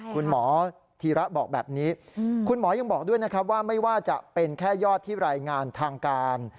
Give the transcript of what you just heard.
คุณหมอธีระบอกแบบนี้คุณหมอยังบอกด้วยนะครับว่าไม่ว่าจะเป็นแค่ยอดที่รายงานทางการ